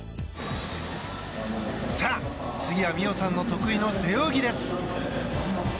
さあ、次は実生さん得意の背泳ぎです！